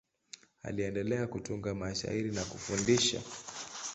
Aliendelea kutunga mashairi na kufundisha.